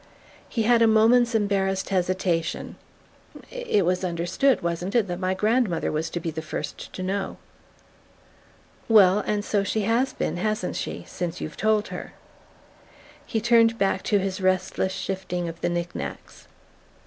He had a moment's embarrassed hesitation. "It was understood, wasn't it, that my grandmother was to be the first to know?" "Well and so she has been, hasn't she, since you've told her?" He turned back to his restless shifting of the knick knacks.